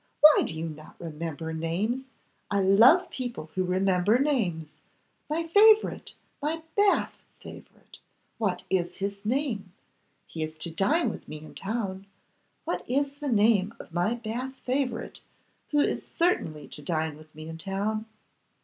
why do you not remember names! I love people who remember names. My favourite, my Bath favourite. What is his name? He is to dine with me in town. What is the name of my Bath favourite who is certainly to dine with me in town?